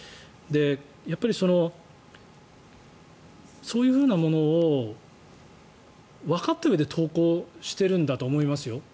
やっぱりそういうものをわかったうえで投稿してるんだと思いますよ。